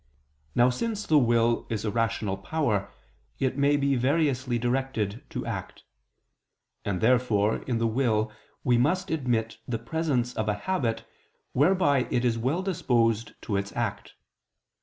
Now since the will is a rational power, it may be variously directed to act. And therefore in the will we must admit the presence of a habit whereby it is well disposed to its act.